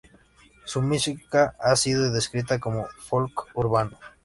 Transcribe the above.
Su música ha sido descrita como folk urbano.